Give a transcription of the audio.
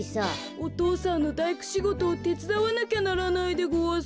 お父さんのだいくしごとをてつだわなきゃならないでごわす。